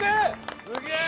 すげえ！